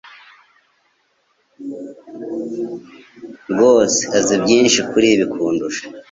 rwose azi byinshi kuri ibi kundusha